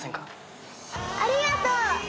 ・ありがとう。